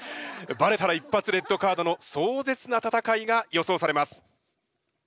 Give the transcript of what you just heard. バレたら一発レッドカードの壮絶な戦いが予想されます。